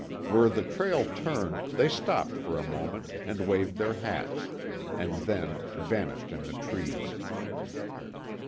Where the trail turned they stopped for a moment and waved their hats, and then vanished in the trees.